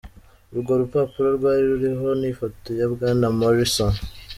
Urwo rupapuro rwari ruriho n'ifoto ya Bwana Morrison.